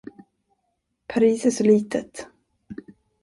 Paris är så litet.